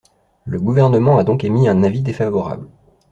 Le Gouvernement a donc émis un avis défavorable.